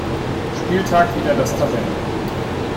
Spieltag wieder das Tabellenende.